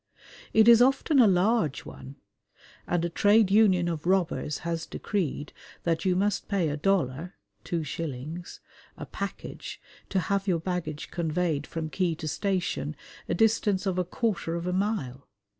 It is often a large one, and a trade union of robbers has decreed that you must pay a dollar (two shillings) a package to have your baggage conveyed from quay to station, a distance of a quarter of a mile.